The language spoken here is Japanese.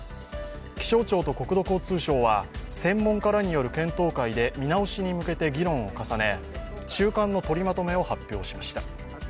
気象庁と国土交通省は専門家らによる検討会で見直しに向けて議論を重ね、中間の取りまとめを発表しました。